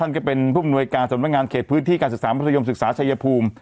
ก็เป็นผู้อำนวยการสำนักงานเขตพื้นที่การศึกษามัธยมศึกษาชายภูมิ